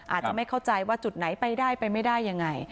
อาจจะไม่เข้าใจว่าจุดไหนไปได้ไปไม่ได้ยังไง